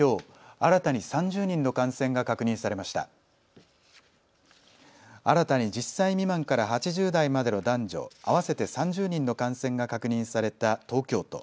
新たに１０歳未満から８０代までの男女合わせて３０人の感染が確認された東京都。